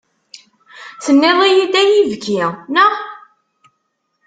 Tenniḍ-iyi-d ay ibki, neɣ?